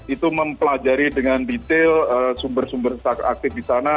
itu mempelajari dengan detail sumber sumber aktif di sana